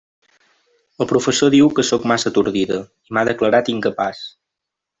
El professor diu que sóc massa atordida, i m'ha declarat incapaç.